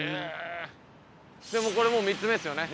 これもう３つ目ですよね？